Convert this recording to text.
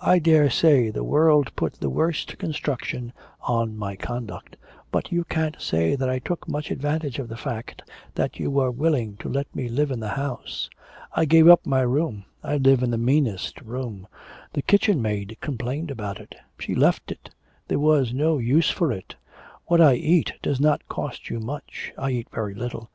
I daresay the world put the worst construction on my conduct. But you can't say that I took much advantage of the fact that you were willing to let me live in the house. I gave up my room I live in the meanest room the kitchen maid complained about it; she left it; there was no use for it. What I eat does not cost you much; I eat very little.